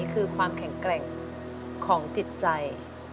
คือความแข็งแกร่งของจิตใจ